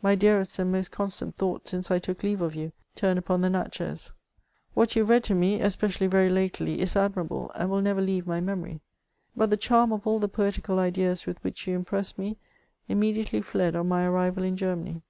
My dearest and most constant thoughts since I took leave of you turn upon the Natchez, What you read to me, especially very lately, is ad mirable, and will never leave my memory. But the charm of all the poetical ideas with which you impressed me, immedi ately fled on my arrival in Germany.